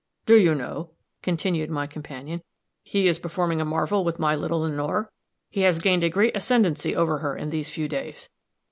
"Do you know," continued my companion, "he is performing a marvel with my little Lenore? He has gained a great ascendancy over her in these few days.